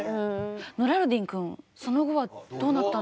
ノラルディンくんその後はどうなったんですか？